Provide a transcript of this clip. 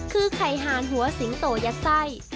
คือไข่หานหัวสิงโตยัดไส้